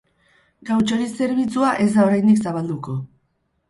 Gautxori zerbitzua ez da oraindik zabalduko.